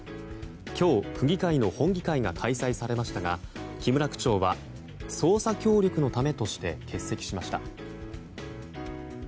今日、区議会の本議会が開催されましたが木村区長は捜査協力のためとして欠席しました。